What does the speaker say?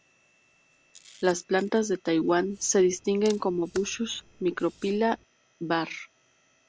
Las plantas de Taiwán se distinguen como "Buxus microphylla" var.